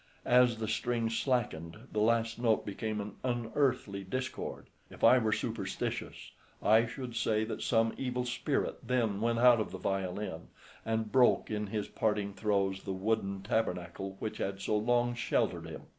As the strings slackened, the last note became an unearthly discord. If I were superstitious I should say that some evil spirit then went out of the violin, and broke in his parting throes the wooden tabernacle which had so long sheltered him.